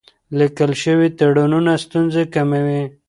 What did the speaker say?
لیکل شوي تړونونه ستونزې کموي.